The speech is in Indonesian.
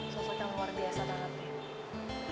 sosok yang luar biasa banget